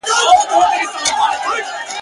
دا خیرنه ګودړۍ چي وینې دام دی !.